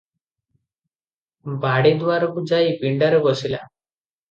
ବାଡ଼ି ଦୁଆରକୁ ଯାଇ ପିଣ୍ଡାରେ ବସିଲା ।